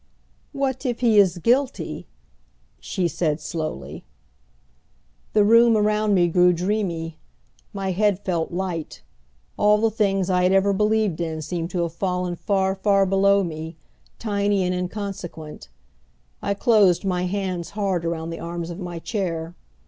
"What if he is guilty?" she said slowly. The room around me grew dreamy. My head felt light. All the things I had ever believed in seemed to have fallen far, far below me, tiny and inconsequent. I closed my hands hard around the arms of my chair.